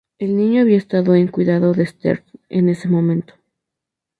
El niño había estado en cuidado de Stern en ese momento.